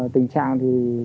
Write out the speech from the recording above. tình trạng thì